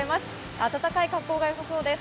温かい格好がよさそうです。